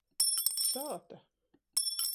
Sāta.